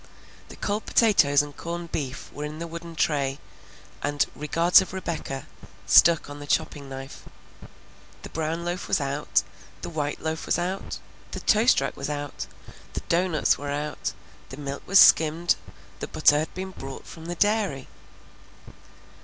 The cold potatoes and corned beef were in the wooden tray, and "Regards of Rebecca" stuck on the chopping knife. The brown loaf was out, the white loaf was out, the toast rack was out, the doughnuts were out, the milk was skimmed, the butter had been brought from the dairy.